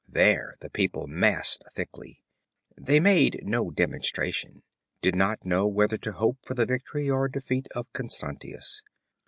There the people massed thickly. They made no demonstration, did not know whether to hope for the victory or defeat of Constantius.